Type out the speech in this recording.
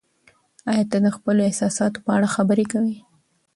ایا ته د خپلو احساساتو په اړه خبرې کوې؟